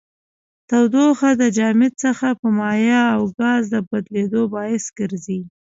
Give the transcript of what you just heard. تودوخه د جامد څخه په مایع او ګاز د بدلیدو باعث ګرځي.